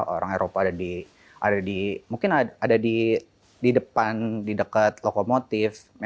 orang eropa mungkin ada di depan di dekat lokomotif